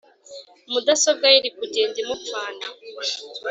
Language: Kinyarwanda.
Mudasobwa ye iri kugenda imupfana